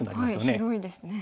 はい広いですね。